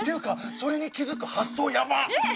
それに気付く発想ヤバっ！